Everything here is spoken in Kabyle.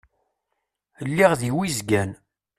Lliɣ di Wizgan.